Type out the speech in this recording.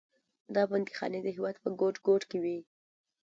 دا بندیخانې د هېواد په ګوټ ګوټ کې وې.